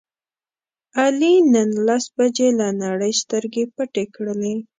علي نن لس بجې له نړۍ سترګې پټې کړلې.